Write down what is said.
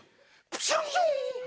プシュン！